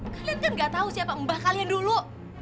kalian kan gak tahu siapa mbah kalian dulu